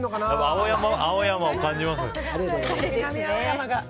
青山を感じますね。